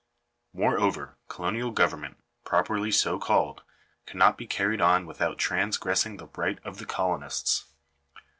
Moreover, colonial government, properly so called, cannot be carried on without transgressing the rights of the colonists.